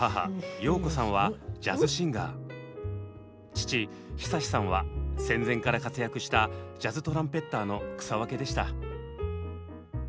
父久さんは戦前から活躍したジャズトランぺッターの草分けでした。